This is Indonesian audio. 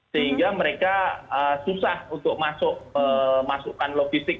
sehingga mereka susah untuk memasukkan logistik